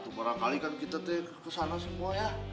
ikut satu barang kali kan kita teh ke sana semua ya